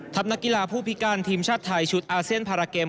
นักกีฬาผู้พิการทีมชาติไทยชุดอาเซียนพาราเกม